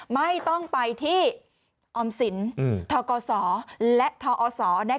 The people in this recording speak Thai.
ไม่ต้องไปที่ออมสินทกศและทอศ